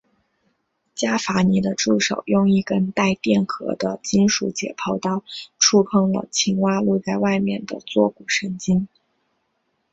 伽伐尼的助手用一根带电荷的金属解剖刀触碰了青蛙露在外面的坐骨神经。